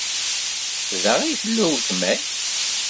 Da i tella uletma-k?